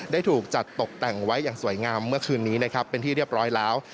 ได้ถูกจัดตกแต่งไว้อย่างสวยงามเมื่อคืนนี้นะครับเป็นที่เรียบร้อยแล้ว